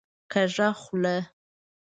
کږه خوله